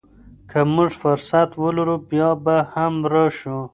که موږ فرصت ولرو، بیا به هم راشو.